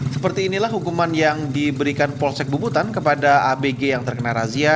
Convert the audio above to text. seperti inilah hukuman yang diberikan polsek bubutan kepada abg yang terkena razia